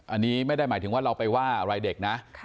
อันนี้ไม่ได้หมายถึงว่าเราไปว่าอะไรเด็กนะ